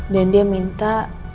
dan dia minta